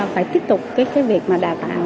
phải tiếp tục cái việc mà đào tạo